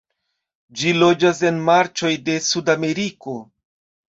Ĝi loĝas en marĉoj de Sudameriko.